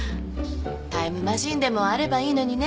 タイムマシンでもあればいいのにね